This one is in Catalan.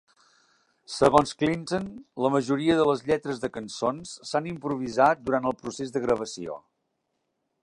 Segons Clinton, la majoria de les lletres de cançons s'han improvisat durant el procés de gravació.